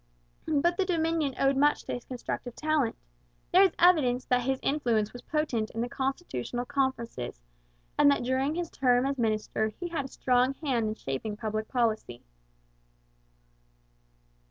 But the Dominion owed much to his constructive talent. There is evidence that his influence was potent in the constitutional conferences, and that during his term as minister he had a strong hand in shaping public policy.